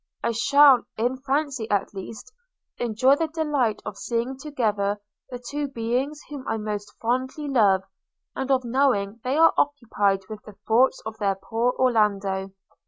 I shall, in fancy at least, enjoy the delight of seeing together the two beings whom I most fondly love, and of knowing they are occupied with the thoughts of their poor Orlando!